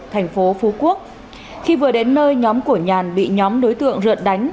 thành phố phú quốc khi vừa đến nơi nhóm của nhàn bị nhóm đối tượng rượt đánh